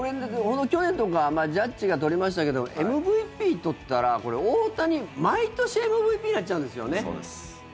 去年とかはジャッジが取りましたけどＭＶＰ取ったら、これ大谷毎年、ＭＶＰになっちゃうんですよね。